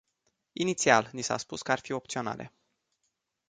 Inițial ni s-a spus că ar fi opționale.